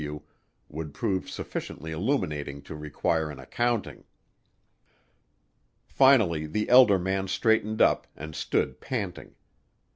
W." would prove sufficiently illuminating to require an accounting. Finally the elder man straightened up, and stood panting.